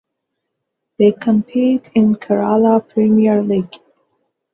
They compete in the Kerala Premier League.